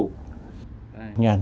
nhà sản xuất của công ty này